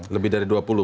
lebih dari dua puluh ya